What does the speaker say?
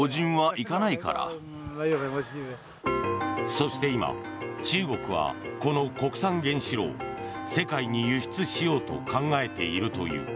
そして今、中国はこの国産原子炉を世界に輸出しようと考えているという。